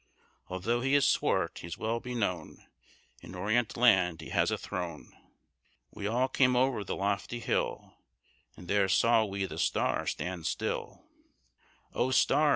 &c. Altho' he is swart, he is well be known, &c. In orient land he has a throne, &c. We all came over the lofty hill, &c. And there saw we the Star stand still, &c. Oh, Star!